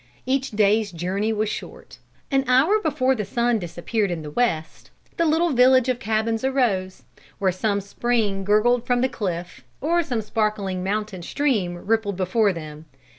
Each day's journey was short. An hour before the sun disappeared in the west, the little village of cabins arose, where some spring gurgled from the cliff, or some sparkling mountain stream rippled before them.